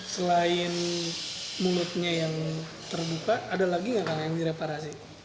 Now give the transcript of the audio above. selain mulutnya yang terbuka ada lagi nggak kang yang direparasi